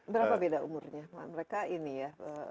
berapa beda umurnya mereka ini ya